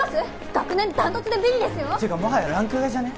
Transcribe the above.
学年ダントツでビリですよていうかもはやランク外じゃね？